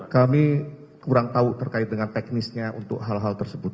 kami kurang tahu terkait dengan teknisnya untuk hal hal tersebut